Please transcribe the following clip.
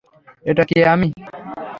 এটা কী আমি?